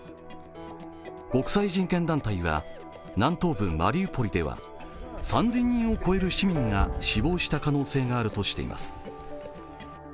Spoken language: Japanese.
国際人権団体は、南東部マリウポリでは３０００人を超える市民が死亡した可能性があるとしています。